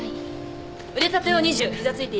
腕立てを２０膝ついていいから。